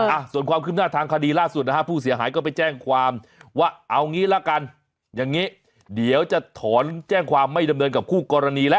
อ่ะส่วนความคืบหน้าทางคดีล่าสุดนะฮะผู้เสียหายก็ไปแจ้งความว่าเอางี้ละกันอย่างนี้เดี๋ยวจะถอนแจ้งความไม่ดำเนินกับคู่กรณีแล้ว